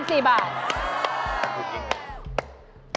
จริง